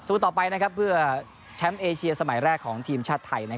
ต่อไปเพื่อแชมป์เอเชียสมัยแรกของทีมชาติไทย